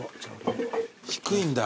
低いんだ。